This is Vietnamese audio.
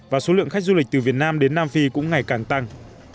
và số lượng khách du lịch từ việt nam đến nam phi cũng ngày càng tăng